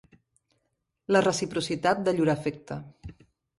La reciprocitat de llur afecte.